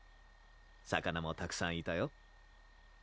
魚もたくさんいたよ